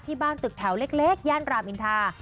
บ้านตึกแถวเล็กย่านรามอินทา